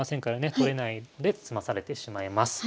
取れないで詰まされてしまいます。